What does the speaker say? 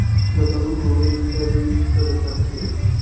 د تنور ډوډۍ ښه وي که د تبخي؟